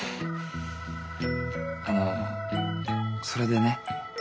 あのそれでね。